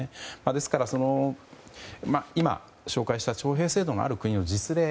ですから今、紹介した徴兵制度のある国の実例。